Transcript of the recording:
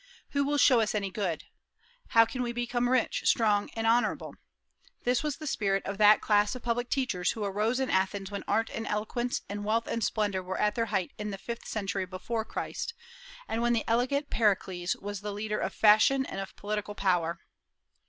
Who will show us any good? how can we become rich, strong, honorable? this was the spirit of that class of public teachers who arose in Athens when art and eloquence and wealth and splendor were at their height in the fifth century before Christ, and when the elegant Pericles was the leader of fashion and of political power.